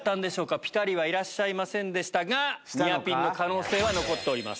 ピタリはいらっしゃいませんでしたがニアピンの可能性は残ってます。